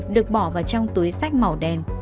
được bỏ vào trong túi sách màu